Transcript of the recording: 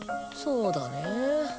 そうだね。